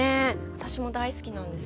私も大好きなんです。